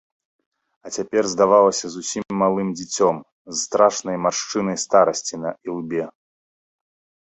А цяпер здавалася зусім малым дзіцем, з страшнай маршчынай старасці на ілбе.